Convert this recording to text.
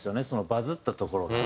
バズったところが。